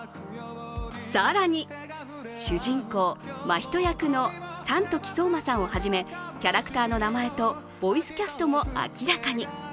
更に主人公・眞人役の山時聡真さんをはじめキャラクターの名前と、ボイスキャストも明らかに。